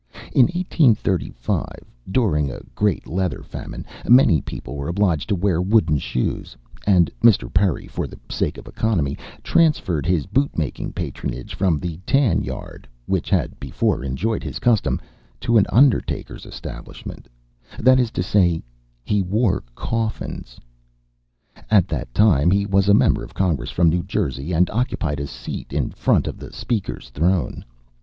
In 1835, during a great leather famine, many people were obliged to wear wooden shoes, and Mr. Perry, for the sake of economy, transferred his bootmaking patronage from the tan yard which had before enjoyed his custom, to an undertaker's establishment that is to say, he wore coffins. At that time he was a member of Congress from New Jersey, and occupied a seat in front of the Speaker's throne.